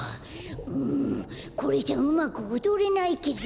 うんこれじゃうまくおどれないけど。